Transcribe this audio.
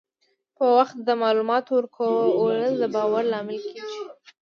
په وخت د معلوماتو ورکول د باور لامل کېږي.